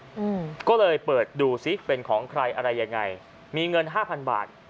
อืมก็เลยเปิดดูสิเป็นของใครอะไรยังไงมีเงินห้าพันบาท